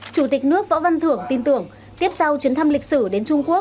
chủ tịch nước võ văn thưởng tin tưởng tiếp sau chuyến thăm lịch sử đến trung quốc